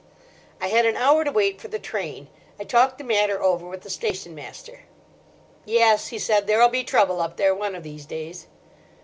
"I had an hour to wait for the train. I talked the matter over with the station master. "'Yes,' he said, 'there'll be trouble up there one of these days.